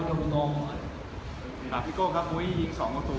ก็อยากให้น้องรักษาผลงานที่ดีไว้นะครับ